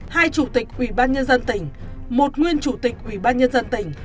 hai chủ tịch ủy ban nhân dân tỉnh một nguyên chủ tịch ủy ban nhân dân tỉnh